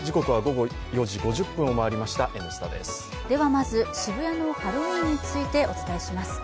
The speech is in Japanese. まず渋谷のハロウィーンについてお伝えします。